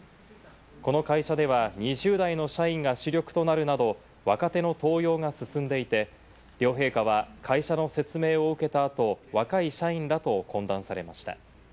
この会社では２０代の社員が主力となるなど、若手の登用が進んでいて、両陛下は会社の説明を受けた後、若い会社員らと懇談されました。